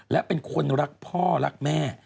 และเป็นคนรักพ่อรักแม่